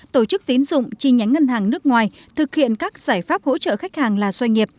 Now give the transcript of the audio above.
tổ chức tín dụng chi nhánh ngân hàng nước ngoài thực hiện các giải pháp hỗ trợ khách hàng là doanh nghiệp